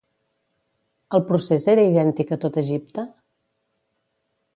El procés era idèntic a tot Egipte?